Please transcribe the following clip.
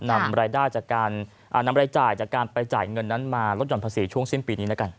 นำรายจ่ายจากการไปจ่ายเงินนั้นมาลดหย่อนภาษีช่วงสิ้นปีนี้แล้วกัน